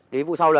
đấy vụ sau là